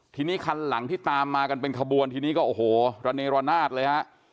ทีนี้คันหลังที่ตามมากันเป็นขบวนทีนี้ก็โอ้โหระเนรนาศเลยฮะ